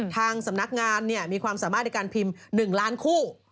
ทางสำนักงานมีความสามารถในการพิมพ์๑ล้านคู่